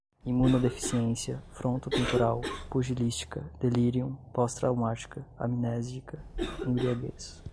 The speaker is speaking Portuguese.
imunodeficiência, frontotemporal, pugilística, delirium, pós-traumática, amnésica, embriaguez